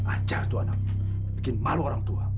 acak tuh anak bikin malu orang tua